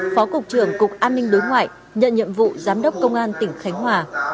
phó cục trưởng cục an ninh đối ngoại nhận nhiệm vụ giám đốc công an tỉnh khánh hòa